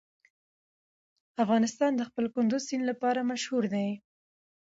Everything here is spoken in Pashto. افغانستان د خپل کندز سیند لپاره مشهور دی.